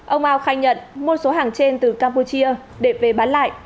ông ao khai nhận mua số hàng trên từ campuchia để về bán lại